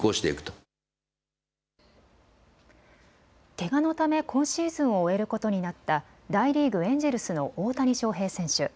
けがのため今シーズンを終えることになった大リーグ、エンジェルスの大谷翔平選手。